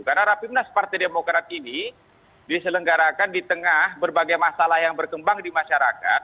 karena rapimnas partai demokrat ini diselenggarakan di tengah berbagai masalah yang berkembang di masyarakat